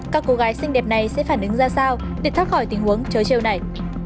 các cô gái xinh đẹp này sẽ phản ứng ra sao để thoát khỏi tình huống trời trêu này